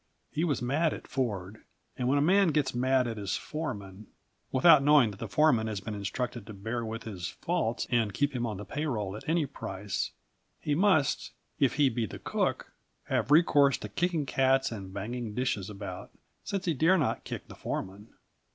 He was mad at Ford; and when a man gets mad at his foreman without knowing that the foreman has been instructed to bear with his faults and keep him on the pay roll at any price he must, if he be the cook, have recourse to kicking cats and banging dishes about, since he dare not kick the foreman.